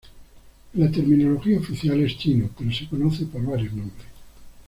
En la terminología oficial es chino pero se conoce por varios nombres.